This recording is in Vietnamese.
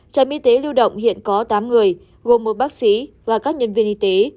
trạm y tế lưu động hiện có tám người gồm một bác sĩ và các nhân viên y tế